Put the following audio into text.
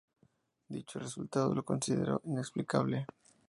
Dicho resultado lo consideró inexplicable.